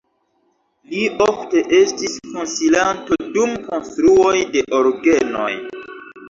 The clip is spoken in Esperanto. Li ofte estis konsilanto dum konstruoj de orgenoj.